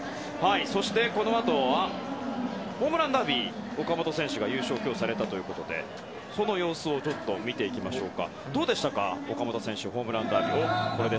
そしてこのあとはホームランダービーで岡本選手が今日優勝されたということでその様子を見ていきましょうか。